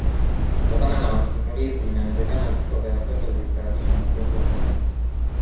Kutokana na masimulizi inawezekana vifo vya watoto vilisababishwa na ugonjwa wa malaria